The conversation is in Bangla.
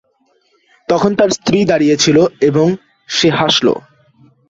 তখন তার স্ত্রী দাঁড়িয়েছিল এবং সে হাসল।